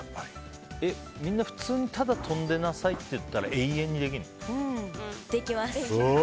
みんな、普通にただ跳んでなさいって言ったら永遠にできるの？